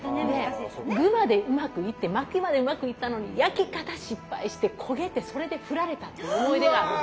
具までうまくいって巻きまでうまくいったのに焼き方失敗して焦げてそれで振られたっていう思い出があるの。